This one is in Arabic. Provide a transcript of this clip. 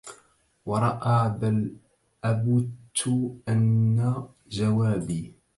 وأرى بل أبُتُّ أن جوابي